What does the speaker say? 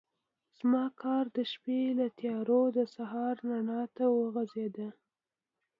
زما کار د شپې له تیارو د سهار رڼا ته وغځېد.